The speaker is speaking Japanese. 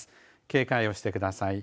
警戒をしてください。